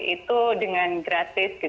itu dengan gratis